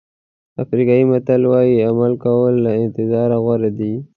افریقایي متل وایي عمل کول له انتظار غوره دي.